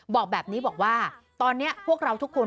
บอกแบบนี้บอกว่าตอนนี้พวกเราทุกคน